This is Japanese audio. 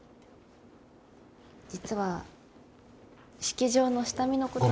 実は式場の下見のこと。